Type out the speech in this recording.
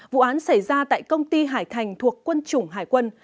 vụ án xảy ra tại công ty hải thành thuộc quân chủng hải quân